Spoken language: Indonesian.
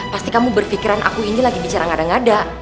pasti kamu berpikiran aku ini lagi bicara ngada ngada